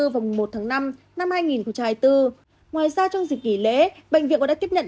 vòng một tháng năm năm hai nghìn hai mươi bốn ngoài ra trong dịch kỷ lễ bệnh viện đã tiếp nhận